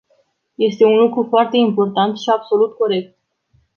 Este un lucru foarte important și absolut corect.